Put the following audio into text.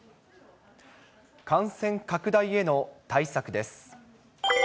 感染拡大への対策です。